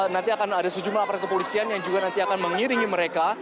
nanti akan ada sejumlah aparat kepolisian yang juga nanti akan mengiringi mereka